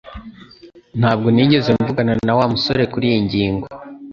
Ntabwo nigeze mvugana na Wa musore kuriyi ngingo